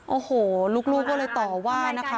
โอ้โหลูกก็เลยต่อว่านะคะ